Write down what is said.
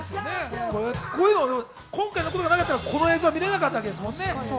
今回、こういうのがなかったらこの映像見られなかったわけですもんね。